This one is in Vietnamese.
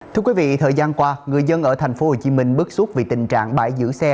thưa quý vị thời gian qua người dân ở tp hcm bức xúc vì tình trạng bãi giữ xe